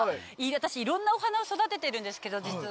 私いろんなお花を育ててるんですけど実は。